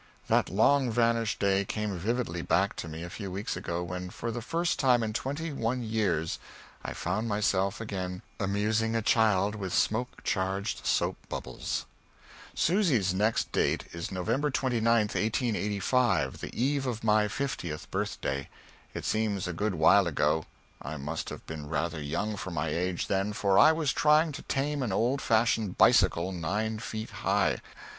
That long vanished day came vividly back to me a few weeks ago when, for the first time in twenty one years, I found myself again amusing a child with smoke charged soap bubbles. [Sidenote: (1885.)] Susy's next date is November 29th, 1885, the eve of my fiftieth birthday. It seems a good while ago. I must have been rather young for my age then, for I was trying to tame an old fashioned bicycle nine feet high.